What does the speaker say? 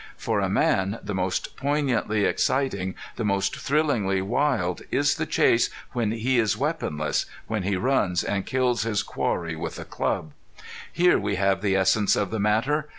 For a man the most poignantly exciting, the most thrillingly wild is the chase when he is weaponless, when he runs and kills his quarry with a club. Here we have the essence of the matter.